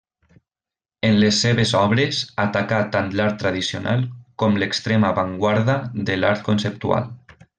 En les seves obres atacà tant l'art tradicional com l'extrema avantguarda de l'art conceptual.